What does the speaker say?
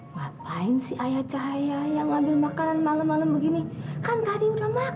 ngapain si ayah cahaya yang ambil makanan malem malem begini kan tadi udah makan